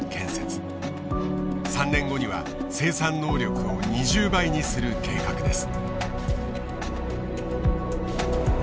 ３年後には生産能力を２０倍にする計画です。